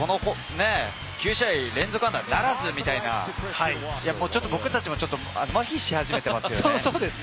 ９試合連続安打ならずみたいな、僕たちもマヒし始めていますよね。